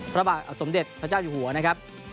พระบาทสมเด็จพระเจ้าอยู่หัวนะครับ